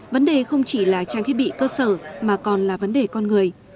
vấn đề không chỉ là trang thiết bị cơ sở mà còn là vấn đề con người